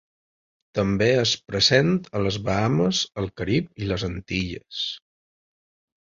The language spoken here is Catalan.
També és present a les Bahames, el Carib i les Antilles.